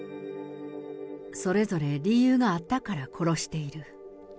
それぞれ理由があったから殺している。